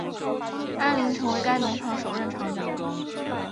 安林成为该农场首任场长。